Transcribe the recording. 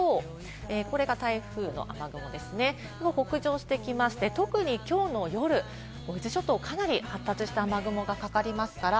これが台風の雨雲ですね、北上してきまして、特にきょうの夜、伊豆諸島、かなり発達した雨雲がかかりますから。